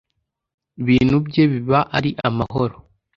bintu bye biba ari amahoro